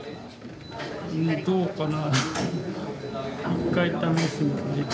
どうかな？